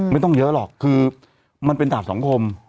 ไม่ต้องเยอะหรอกคือมันเป็นดาบสังคม